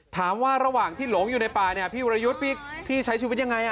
ระหว่างที่หลงอยู่ในป่าเนี่ยพี่วรยุทธ์พี่ใช้ชีวิตยังไง